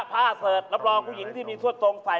ของหน้าผ้าเสิร์ทรับรองผู้หญิงที่มีส่วนตรงใส่